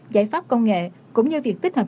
giải pháp công nghệ cũng như việc tích hợp